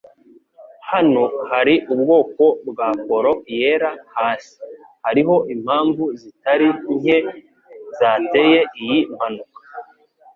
Hano hari ubwoko bwa poro yera hasi. Hariho impamvu zitari nke zateye iyi mpanuka.